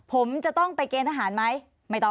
ผมจะต้องไปเกณฑ์ทหารไหม